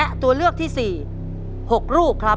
คุณยายแจ้วเลือกตอบจังหวัดนครราชสีมานะครับ